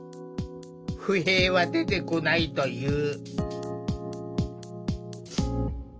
不平は出てこないという。